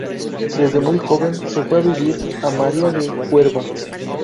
Desde muy joven se fue a vivir a María de Huerva.